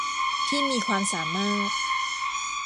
ที่มีความสามารถ